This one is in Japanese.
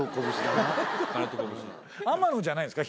天野じゃないんですか？